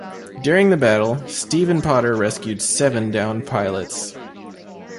During the battle, "Stephen Potter" rescued seven downed pilots.